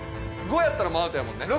５やったらもうアウトやもんね。